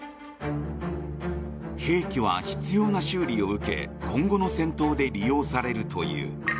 兵器は必要な修理を受け今後の戦闘で利用されるという。